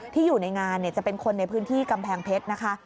อยู่ในงานจะเป็นคนในพื้นที่กำแพงเพชรนะคะ